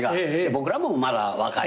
僕らもまだ若い。